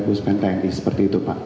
bus pen tni seperti itu pak